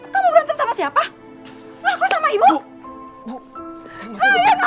kamu berantem sama siapa